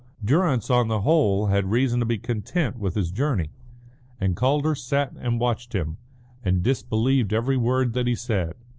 Durrance, on the whole, had reason to be content with his journey. And Calder sat and watched him, and disbelieved every word that he said.